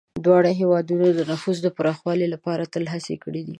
دواړه هېوادونه د نفوذ پراخولو لپاره تل هڅې کړي دي.